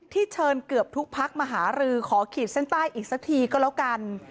เชิญเกือบทุกพักมาหารือขอขีดเส้นใต้อีกสักทีก็แล้วกัน